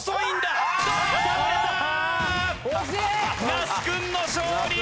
那須君の勝利！